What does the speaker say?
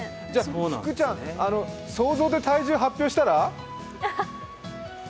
福ちゃん、想像で体重発表したら？